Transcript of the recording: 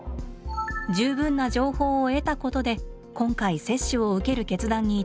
十分な情報を得たことで今回接種を受ける決断に至りました。